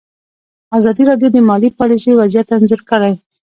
ازادي راډیو د مالي پالیسي وضعیت انځور کړی.